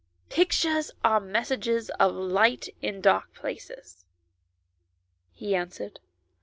" Pictures are messages of light in dark places," he answered.